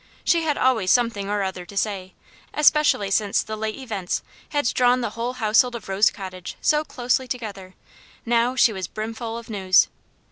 She had always something or other to say, especially since the late events had drawn the whole household of Rose Cottage so closely together; now, she was brim full of news.